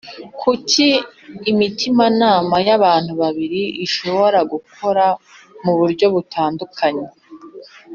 Kuki imitimanama y’ abantu babiri ishobora gukora mu buryo butandukanye